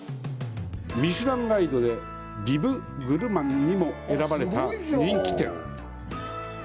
ミシュランガイドでビブグルマンにも選ばれた人気店。